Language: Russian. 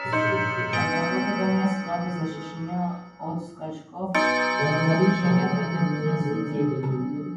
Оборудование слабо защищено от «скачков» напряжения в электросети